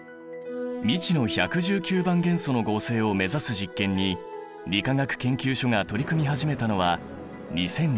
未知の１１９番元素の合成を目指す実験に理化学研究所が取り組み始めたのは２０１８年。